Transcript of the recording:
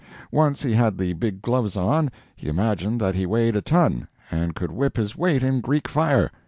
Once he had the big gloves on, he imagined that he weighed a ton and could whip his weight in Greek fire.